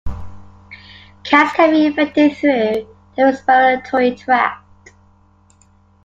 Cats can be infected through the respiratory tract.